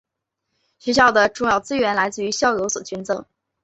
学院的主要资金来自于校友所捐赠。